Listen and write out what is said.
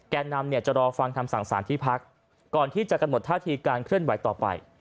นำเนี่ยจะรอฟังคำสั่งสารที่พักก่อนที่จะกำหนดท่าทีการเคลื่อนไหวต่อไป